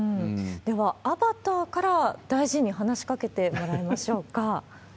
では、アバターから大臣に話しかけてもらいましょうか。